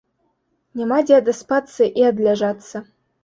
Няма дзе адаспацца і адляжацца.